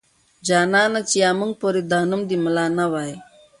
جانانه چې يا موږ پورې دا نوم د ملا نه واي.